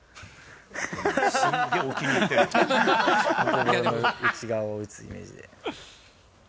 ボールの内側を打つイメージで。